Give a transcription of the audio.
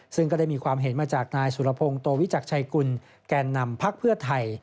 ซึ่งก็ได้มีความเห็นมาจากนายสุรพงศ์โตวิจักรชัยกุลแก่นนำพักเพื่อไทย